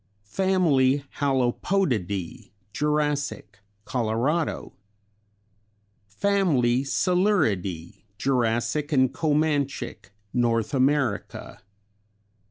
" Hallopodidæ Jurassic, Colorado. " Coeluridæ Jurassic and Comanchic, North America.